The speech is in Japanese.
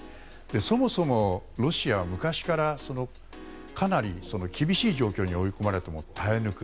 そもそも、ロシアは昔からかなり厳しい状況に追い込まれても、耐え抜く。